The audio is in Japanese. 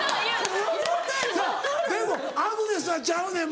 でもアグネスはちゃうねん